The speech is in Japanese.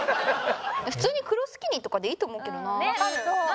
普通に黒スキニーとかでいいと思うけどな。